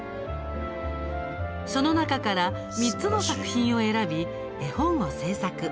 その中から３つの作品を選び絵本を製作。